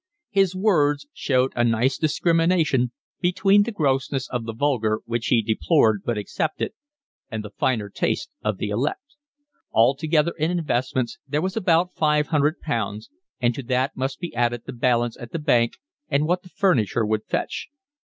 His words showed a nice discrimination between the grossness of the vulgar, which he deplored but accepted, and the finer taste of the elect. Altogether in investments there was about five hundred pounds; and to that must be added the balance at the bank and what the furniture would fetch.